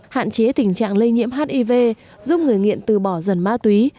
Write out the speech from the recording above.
hạn chế tình trạng lây nhiễm hiv giúp người nghiện từ bỏ dần ma túy